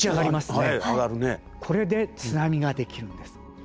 これで津波ができるんです。